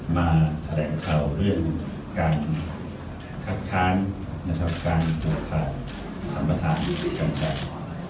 มาแถลงเช่าเรื่องการชัดช้านการจุดศาสตร์สัมประธานการแจก